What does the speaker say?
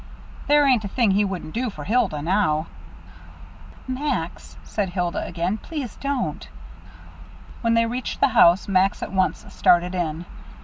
There ain't a thing he wouldn't do for Hilda now " "Max," said Hilda again, "please don't." When they reached the house, Max at once started in.